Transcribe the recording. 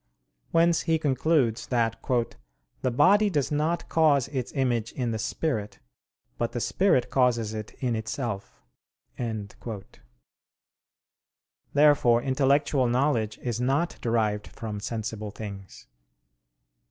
Whence he concludes that "the body does not cause its image in the spirit, but the spirit causes it in itself." Therefore intellectual knowledge is not derived from sensible things.